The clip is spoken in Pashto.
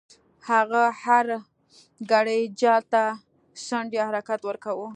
هغه هر ګړی جال ته څنډ یا حرکت ورکاوه.